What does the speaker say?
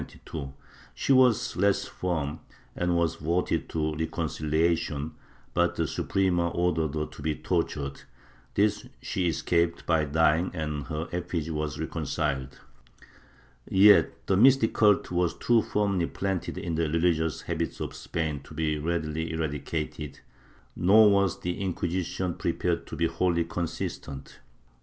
She was less firm and was voted to reconciha tion, but the Suprema ordered her to be tortured; this she escaped by dying, and her effigy was reconciled.^ Yet the mystic cult was too firmly planted in the religious habits of Spain to be readily eradicated, nor was the Inquisition prepared to be wholly consistent.